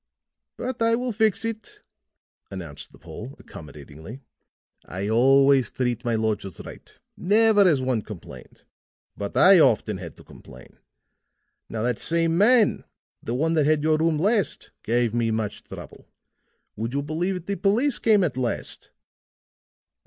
"But I will fix it," announced the Pole accommodatingly. "I always treat my lodgers right; never has one complained. But I often had to complain. Now, that same man the one that had your room last gave me much trouble. Would you believe it, the police came at last!"